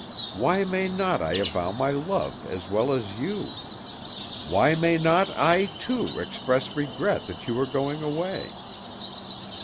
Why may not I avow my love as well as you? Why may not I, too, express regret that you are going away?"